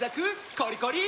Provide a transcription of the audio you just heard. コリコリ！